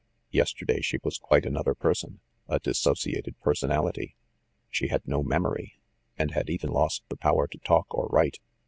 Yesterday she was quite another person, a dissociated personality. She had no memory, and had even lost the power to talk or write.